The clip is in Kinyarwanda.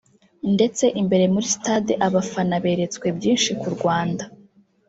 ndetse imbere muri stade abafana beretswe byinshi ku Rwanda